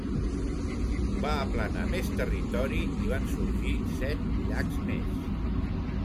Va aplanar més territori i van sorgir set llacs més.